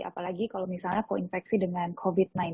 apalagi kalau misalnya koinfeksi dengan covid sembilan belas